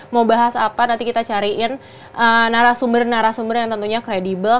mau bahas apa nanti kita cariin narasumber narasumber yang tentunya kredibel